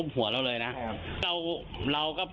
เพราะเห็นเขากับรถซีมาแล้วครับ